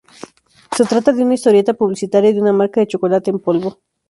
Se trata de una historieta publicitaria de una marca de chocolate en polvo.